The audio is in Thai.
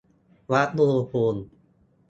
วัดอุณหภูมิ